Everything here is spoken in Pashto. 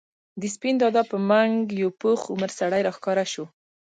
د سپين دادا په منګ یو پوخ عمر سړی راښکاره شو.